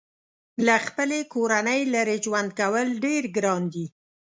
له خپلې کورنۍ لرې ژوند کول ډېر ګران دي.